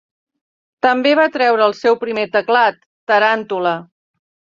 També va treure el seu primer teclat, Taràntula.